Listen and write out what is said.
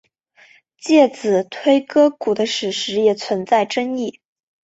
介子推割股的史实也存在争议。